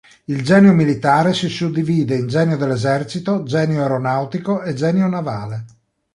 Il genio militare si suddivide in genio dell'esercito, genio aeronautico e genio navale.